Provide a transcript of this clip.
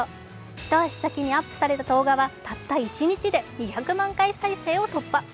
一足先にアップされた動画はたった一日で２００万回再生を突破。